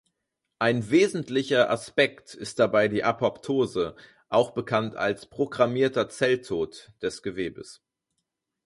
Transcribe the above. Ein wesentlicher Aspekt ist dabei die Apoptose, auch bekannt als Programmierter Zelltod, des Gewebes.